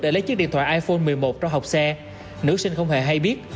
để lấy chiếc điện thoại iphone một mươi một trong học xe nữ sinh không hề hay biết